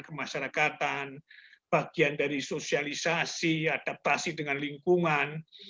kemasyarakatan bagian dari sosialisasi adaptasi dengan lingkungan